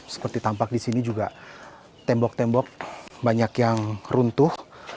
seperti tampak di sini juga tembok tembok banyak yang runtuh